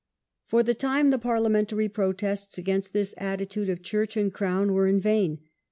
For the time the parliamentary protests against this attitude of church and crown were in vain.